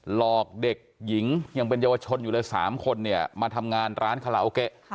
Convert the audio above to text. หลอกเด็กหญิงยังเป็นเยาวชนอยู่เลย๓คนเนี่ยมาทำงานร้านคาราโอเกะ